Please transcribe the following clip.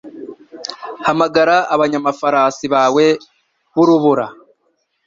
Hamagara abanyamafarasi bawe b'urubura